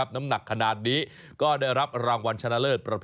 น้ำหนักเยอะกว่าดิฉันอีกค่ะ